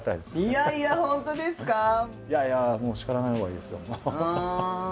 いやいやもう叱らないほうがいいですよ。